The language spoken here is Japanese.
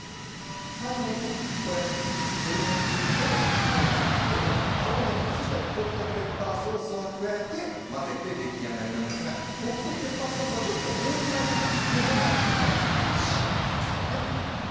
最後に鶏肉と納豆に青ねぎそしてホットペッパーソースを加えて混ぜて出来上がりなんですがホットペッパーソースはちょっと多いぐらいかな